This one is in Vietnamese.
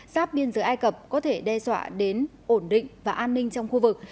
giáp biên giới ai cập có thể đe dọa đến ổn định và an ninh trong khu vực